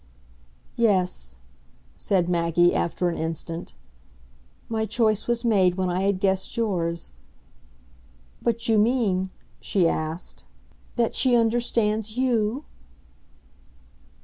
"Yes," said Maggie after an instant "my choice was made when I had guessed yours. But you mean," she asked, "that she understands YOU?"